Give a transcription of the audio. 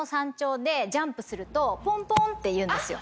ポンポンっていうんですよ。